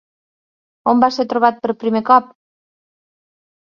On va ser trobat per primer cop?